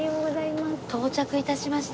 到着致しました。